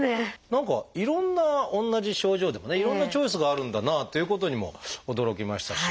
何かいろんな同じ症状でもねいろんなチョイスがあるんだなということにも驚きましたし。